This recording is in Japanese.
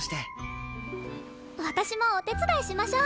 私もお手伝いしましょう！